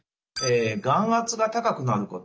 眼圧が高くなること。